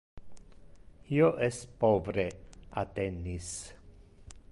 Io es povre a tennis.